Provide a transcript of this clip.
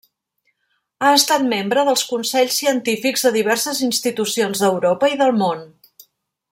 Ha estat membre dels consells científics de diverses institucions d'Europa i del món.